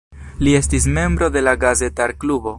Li estis membro de la Gazetar-klubo.